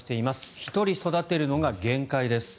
１人育てるのが限界です。